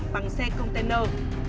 bằng xe container